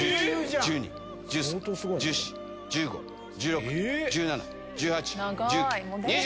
１２、１３、１４、１５、１６、１７、１８、１９、２０。